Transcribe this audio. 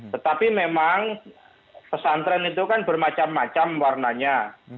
tetapi memang pesantren itu kan bermacam macam warnanya